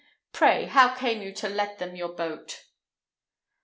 Pray, how came you to let them your boat?"